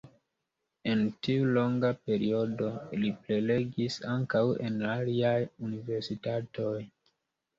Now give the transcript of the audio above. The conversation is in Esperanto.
En tiu longa periodo li prelegis ankaŭ en aliaj universitatoj.